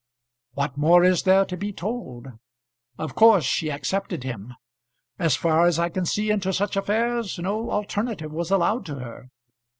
What more is there to be told. Of course she accepted him. As far as I can see into such affairs no alternative was allowed to her.